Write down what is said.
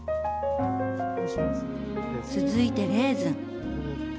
続いてレーズン。